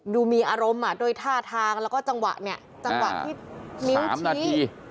ดูมีอารมณ์ด้วยท่าทางแล้วก็จังหวะนิ้วชี้